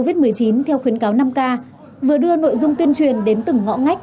covid một mươi chín theo khuyến cáo năm k vừa đưa nội dung tuyên truyền đến từng ngõ ngách